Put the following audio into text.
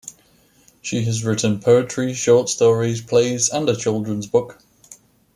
She has written poetry, short stories, plays, and a children's book.